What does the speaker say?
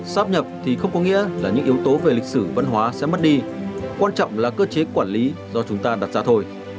sắp nhập thì không có nghĩa là những yếu tố về lịch sử văn hóa sẽ mất đi quan trọng là cơ chế quản lý do chúng ta đặt ra thôi